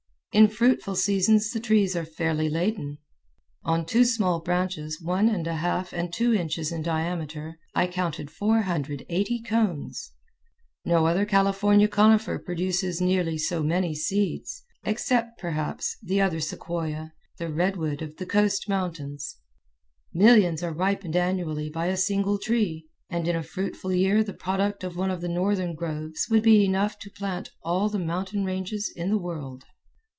In fruitful seasons the trees are fairly laden. On two small branches one and a half and two inches in diameter I counted 480 cones. No other California conifer produces nearly so many seeds, except, perhaps, the other sequoia, the Redwood of the Coast Mountains. Millions are ripened annually by a single tree, and in a fruitful year the product of one of the northern groves would be enough to plant all the mountain ranges in the world.